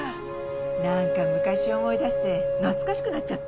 何か昔を思い出して懐かしくなっちゃった。